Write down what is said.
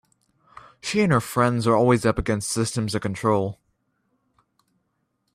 She and her friends are always up against systems of control.